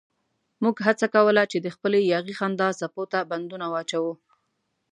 موږ هڅه کوله چې د خپلې یاغي خندا څپو ته بندونه واچوو.